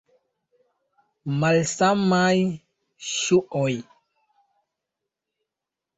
Malsamaj ŝuoj.